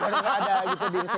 gak ada gitu dinasnya